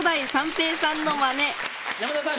山田さん